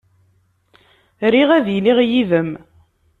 Riɣ ad iliɣ yid-m.